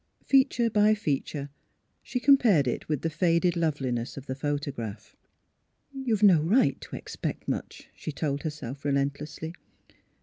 Feature by feature she compared it with the faded loveliness of the photograph. " You have no right to expect much," she told herself, relentlessly.